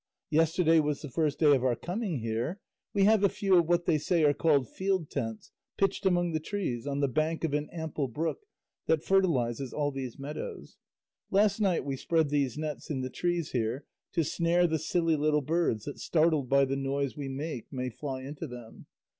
Yesterday was the first day of our coming here; we have a few of what they say are called field tents pitched among the trees on the bank of an ample brook that fertilises all these meadows; last night we spread these nets in the trees here to snare the silly little birds that startled by the noise we make may fly into them.